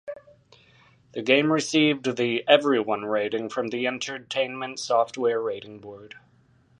The game received the Everyone rating from the Entertainment Software Rating Board.